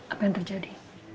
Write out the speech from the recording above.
apa yang terjadi